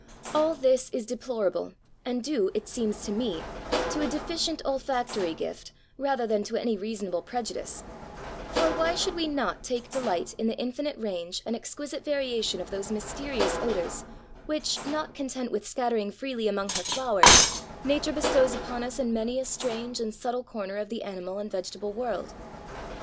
All this is deplorable, and due, it seems to me, to a deficient olfactory gift rather than to any rea sonable prejudice; for why should we not take delight in the infinite range and exquisite variation of those mysterious odors which, not content with scattering 407 JAPAN freely among her flowers, Nature bestows upon us in many a strange and subtle corner of the animal and vegetable world?